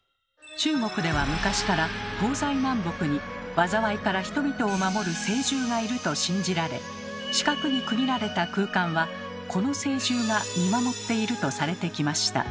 中国では昔から東西南北に災いから人々を守る「聖獣」がいると信じられ四角に区切られた空間はこの聖獣が見守っているとされてきました。